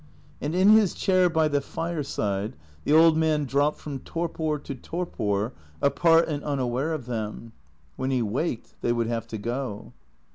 And in his chair by the fireside, the old man dropped from torpor to torpor, apart and unaware of them. When he waked they would have to go.